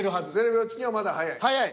０秒チキンはまだ早い？